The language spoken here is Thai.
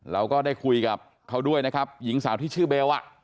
เราก็ได้คุยกับเขาด้วยนะครับหญิงสาวที่ชื่อเบลอ่ะ